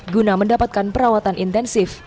guna mendapatkan perawatan intensif